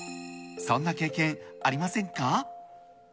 そんな経験ありませんか？